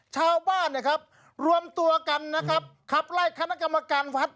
ชาวบ้านร่วมตัวกันขับไลขนกรรมการฟัท